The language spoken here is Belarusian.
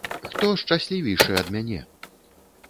Хто шчаслівейшы ад мяне?